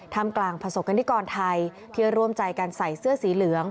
ทำกลางพระศกนิกรไทยเพื่อร่วมใจการใส่เสื้อสีเหลือง